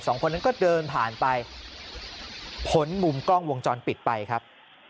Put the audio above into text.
สองคนนั้นก็เดินผ่านไปพ้นมุมกล้องวงจรปิดไปครับ